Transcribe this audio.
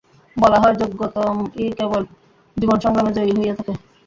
বলা হয়, যোগ্যতমই কেবল জীবনসংগ্রামে জয়ী হইয়া থাকে।